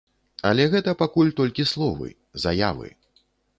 Але гэта пакуль толькі словы, заявы.